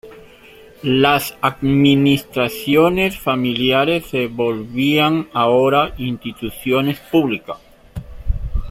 Las administraciones familiares se volvían ahora instituciones públicas.